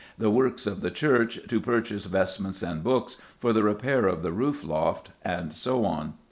the works of the church, to purchase vestments and books, for the repair of the rood loft," and so on.